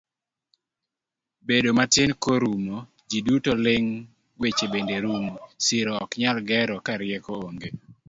Bedo matin korumo, ji duto ling, weche bende rumo, siro oknyal ger karieko onge.